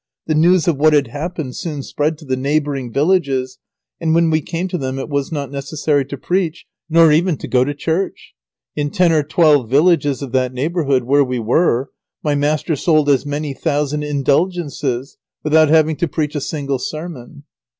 The news of what had happened soon spread to the neighbouring villages, and when we came to them it was not necessary to preach nor even to go to church. In ten or twelve villages of that neighbourhood where we were, my master sold as many thousand Indulgences, without having to preach a single sermon.